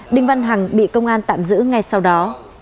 đinh văn hằng bị công an tạm giữ ngay sau đó